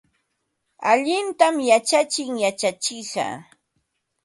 Allintam yachachin yachachiqqa.